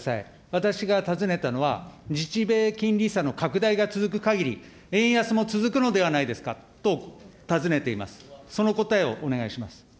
私が尋ねたのは、日米金利差の拡大が続くかぎり、円安も続くのではないですかと尋ねています。